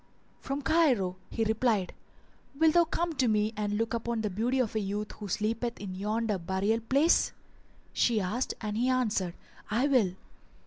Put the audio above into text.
"From Cairo," he replied. "Wilt thou come with me and look upon the beauty of a youth who sleepeth in yonder burial place?" she asked and he answered, "I will."